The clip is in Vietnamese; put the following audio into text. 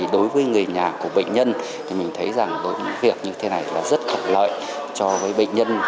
đối với người nhà của bệnh nhân thì mình thấy rằng việc như thế này là rất thuận lợi cho bệnh nhân